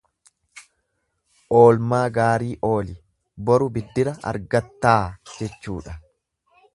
Oolmaa gaarii ooli, boru biddira argattaa jechuudha.